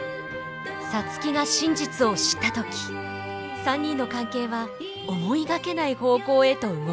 皐月が真実を知った時３人の関係は思いがけない方向へと動きだす。